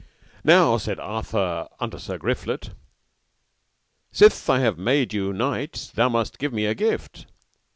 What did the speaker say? Now, said Arthur unto Sir Griflet, sith I have made you knight thou must give me a gift.